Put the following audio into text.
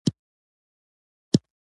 آیا موږ د پرمختګ حق نلرو؟